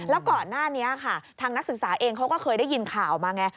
แล้วก่อนหน้านี้ค่ะทางนักศึกษาเองเขาก็เคยได้ยินข่าวมาไง